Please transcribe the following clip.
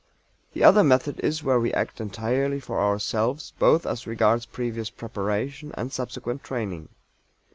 The other method is where we act entirely for ourselves both as regards previous preparation and subsequent training.